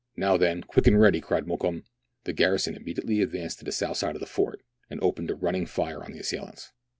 "Now then, quick and ready!" cried Mokoum. The garrison immediately advanced to the south side of the fort, and opened a running fire on the assailants.